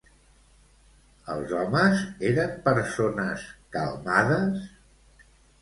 Els homes eren persones calmades?